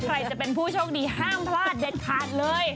ใครจะเป็นผู้โชคดีห้ามพลาดเด็ดขาดเลย